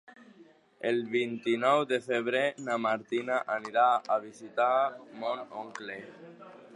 El vint-i-nou de febrer na Martina anirà a visitar mon oncle.